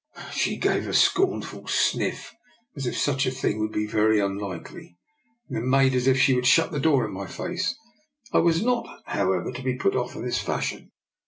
She gave a scornful sniflf as if such a thing would be very unlikely, and then made as if she would shut the door in my face. I was not, however, to be put off in this fashion.